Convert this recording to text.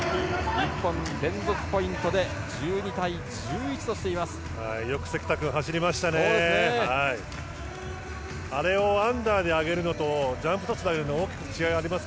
日本、連続ポイントで１２対１１としています。